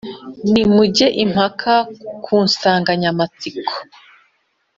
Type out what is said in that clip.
nimuge impaka ku nsanganyamatsiko